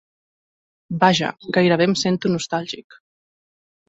Vaja, gairebé em sento nostàlgic.